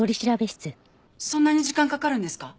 そんなに時間かかるんですか？